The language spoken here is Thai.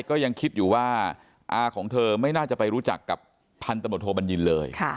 ก็ยังคิดอยู่ว่าอาของเธอไม่น่าจะไปรู้จักกับพันตำรวจโทบัญญินเลย